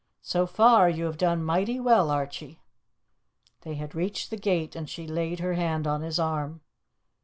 So far you have done mighty well, Archie." They had reached the gate, and she laid her hand on his arm.